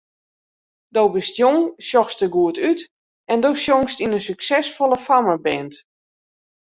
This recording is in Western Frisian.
Do bist jong, sjochst der goed út en do sjongst yn in suksesfolle fammeband.